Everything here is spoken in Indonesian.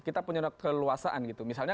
kita punya keleluasaan gitu misalnya